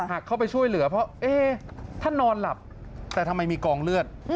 เข้าไปช่วยเหลือเพราะเอ๊ท่านนอนหลับแต่ทำไมมีกองเลือด